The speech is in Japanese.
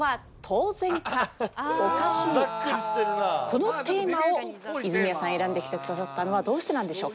このテーマを泉谷さん選んできてくださったのはどうしてなんでしょうか？